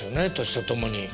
年とともに。